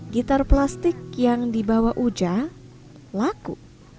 gitar plastik yang dibawa uja laku